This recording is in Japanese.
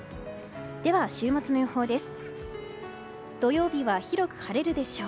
では週末の予報です。